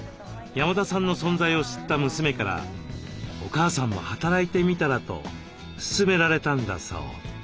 山田さんの存在を知った娘から「お母さんも働いてみたら」と勧められたんだそう。